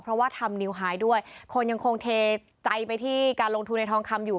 เพราะว่าทำนิวไฮด้วยคนยังคงเทใจไปที่การลงทุนในทองคำอยู่